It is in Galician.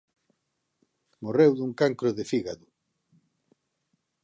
Morreu dun cancro de fígado.